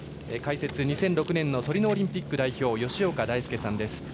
解説、２００６年のトリノオリンピック代表の吉岡大輔さんです。